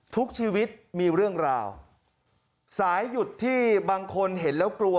ทุกชีวิตมีเรื่องราวสายหยุดที่บางคนเห็นแล้วกลัว